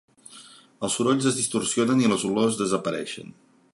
Els sorolls es distorsionen i les olors desapareixen.